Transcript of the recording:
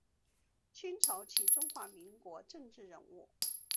清朝及中华民国政治人物。